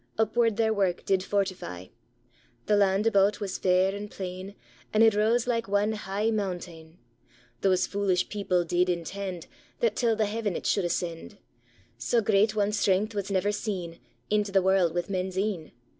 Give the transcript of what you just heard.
Upward their wark did fortify; The land about was fair and plain, And it rase like ane heich montane, Those fulish people did intend, That till the heaven it should ascend; Sae great ane strength was never seen Into the warld with men's een.